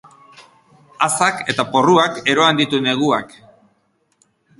Azak eta porruak eroan ditu neguak.